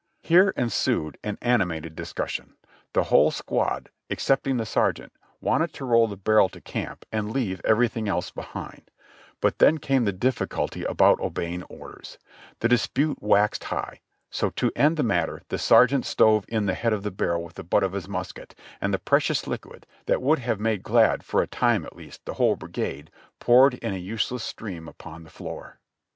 Here ensued an animated discussion ; the whole squad, except ing the sergeant, wanted to roll the barrel to camp and leave everything else behind ; but then came the difficulty about obey ing orders ; the dispute waxed high, so to end the matter the ser geant stove in the head of the barrel with the butt of his musket, and the precious liquid, that would have made glad, for a time at least, the whole brigade, poured in a useless stream upon the floor.